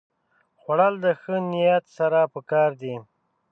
خوړل د ښه نیت سره پکار دي